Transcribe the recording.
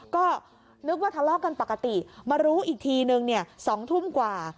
ก็นึกว่าทะเลาะกันปกติมารู้อีกทีนึง๒ทุ่มกว่า